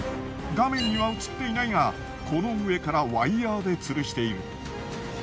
画面には映っていないがこの上からワイヤーで吊るしている。